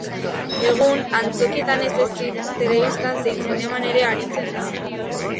Egun, antzokietan ez ezik, telebistan zein zineman ere aritzen da.